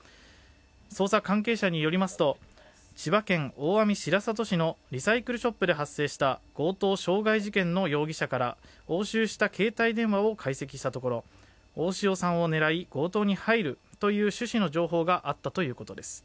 捜査関係者によりますと千葉県大網白里市のリサイクルショップで発生した強盗傷害事件の容疑者から押収した携帯電話を解析したところ大塩さんを狙い強盗に入るという趣旨の情報があったということです。